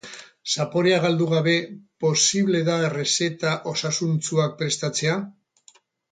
Zaporea galdu gabe, posible da errezeta osasuntsuak prestatzea?